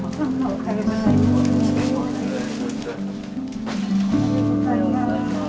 おはようございます。